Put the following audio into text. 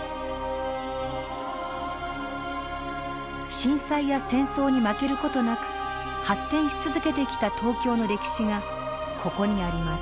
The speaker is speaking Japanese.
震災や戦争に負ける事なく発展し続けてきた東京の歴史がここにあります。